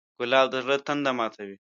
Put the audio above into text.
ګلاب د زړه تنده ماتوي.